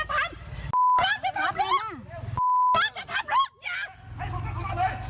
ไม่เอานะอย่าทำ